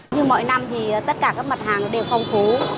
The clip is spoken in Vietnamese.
như mọi năm thì tất cả các mặt hàng đều phong phú